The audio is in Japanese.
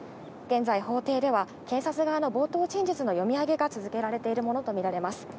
現在、法廷では検察側の冒頭陳述の読み上げが続けられているものとみられます。